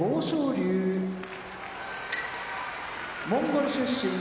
龍モンゴル出身